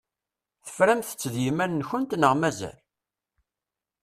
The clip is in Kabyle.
Teframt-tt d yiman-nkent neɣ mazal?